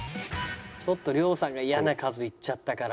ちょっと亮さんがイヤな数いっちゃったから。